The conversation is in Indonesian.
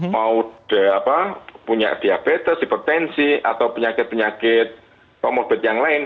mau punya diabetes hipertensi atau penyakit penyakit komorbid yang lain